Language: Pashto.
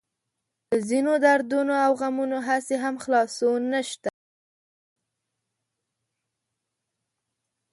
له ځينو دردونو او غمونو هسې هم خلاصون نشته.